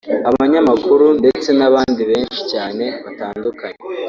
abanyamakuru ndetse n’abandi benshi cyane batandukanye